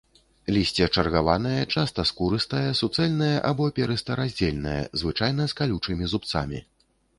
Лісце чаргаванае, часта скурыстае, суцэльнае або перыста-раздзельнае, звычайна з калючымі зубцамі.